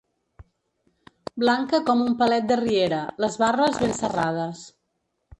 Blanca com un palet de riera, les barres ben serrades.